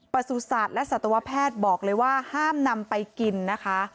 ปศุสัตว์และศาสตร์วะแพทย์บอกเลยว่าห้ามนำไปกินน่ะค่ะ